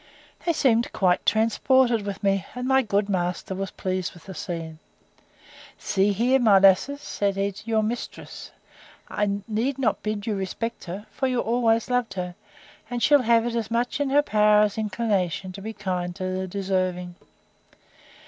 They seemed quite transported with me: and my good master was pleased with the scene. See here, my lasses, said he, your mistress! I need not bid you respect her; for you always loved her; and she'll have it as much in her power as inclination to be kind to the deserving.